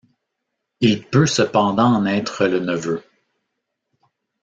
Il peut cependant en être le neveu.